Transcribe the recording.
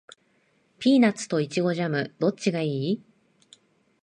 ピーナッツとイチゴジャム、どっちがいい？